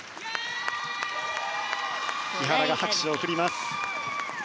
木原が拍手を送ります。